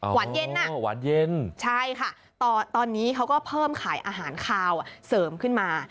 หวานเย็นอ่ะหวานเย็นใช่ค่ะตอนนี้เขาก็เพิ่มขายอาหารคาวเสริมขึ้นมา